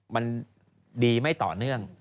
มันดีไม่ต่อเนื่อง